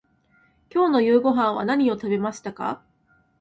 今日の夕ごはんは何を食べましたか。